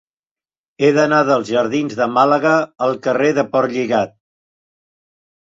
He d'anar dels jardins de Màlaga al carrer de Portlligat.